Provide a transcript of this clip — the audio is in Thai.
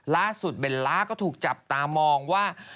ล่าสุดเบลล่าก็ถูกจับตามองว่า